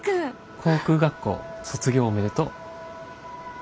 航空学校卒業おめでとう。